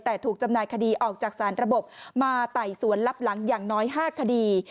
แต่ถูกจำหน่ายคดีออกจากสารระบบมาไต่สวนลับหลังอย่างน้อย๕คดี